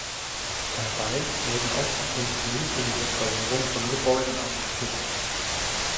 Dabei wurden auch Subventionen für die Restaurierung von Gebäuden ausgeschüttet.